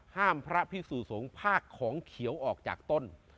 ห้ามพระพี่สู่สงฆ์ภาคของเขียวออกจากต้น